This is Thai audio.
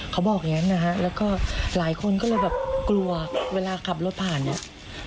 เขาบอกอย่างนั้นนะฮะแล้วก็หลายคนก็เลยแบบกลัวเวลาขับรถผ่านเนี่ย